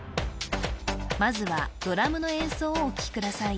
まずはドラムの演奏をお聴きください